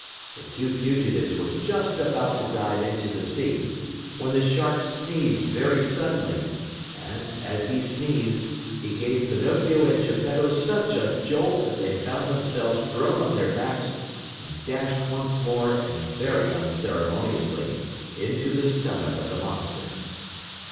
The two fugitives were just about to dive into the sea when the Shark sneezed very suddenly and, as he sneezed, he gave Pinocchio and Geppetto such a jolt that they found themselves thrown on their backs and dashed once more and very unceremoniously into the stomach of the monster.